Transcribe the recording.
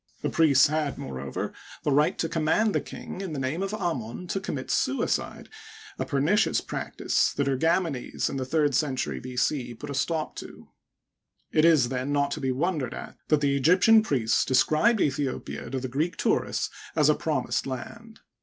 The priests had, moreover, the right to command the king, in the name of Amon, to commit suicide, a pernicious prac tice that Ergamenes in the third century B. c. put a stop to. It is, then, not to be wondered at that the Egyptian priests described Aethiopia to the Greek tourists as a promised land.